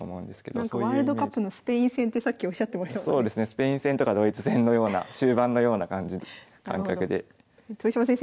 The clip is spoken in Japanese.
スペイン戦とかドイツ戦のような終盤のような感じ感覚で指していただければ。